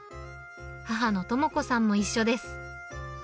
母の知子さんも一緒です。